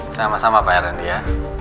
sama sama pak rendy ya